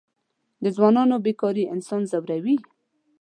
د ځوانانو بېکاري انسان ځوروي.